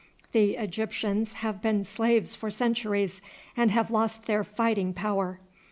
The Egyptians have been slaves for centuries and have lost their fighting power.